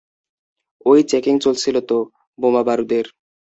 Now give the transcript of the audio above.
ঐ চেকিং চলছিল তো, বোমাবারুদের।